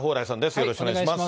よろしくお願いします。